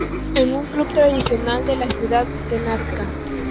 Es un club tradicional de la ciudad de Nasca.